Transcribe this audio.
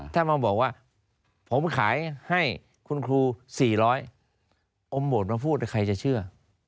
ถ้ามาบอกว่าผมขายให้คุณครู๔๐๐อมโหมดมาพูดใครจะเชื่อ